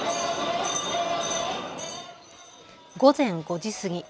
午前５時過ぎ。